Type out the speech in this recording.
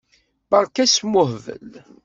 Berka asmuhbel.